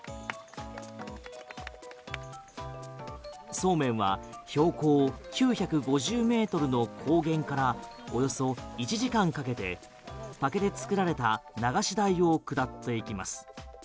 そうめんは標高９５０ｍの高原からおよそ１時間かけて竹で作られた流し台を下っていきます。